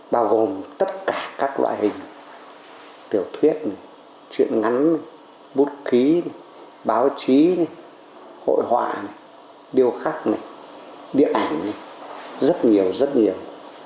bao gồm tất cả các loại hình tiểu thuyết chuyện ngắn bút khí báo chí hội họa này điêu khắc điện ảnh rất nhiều rất nhiều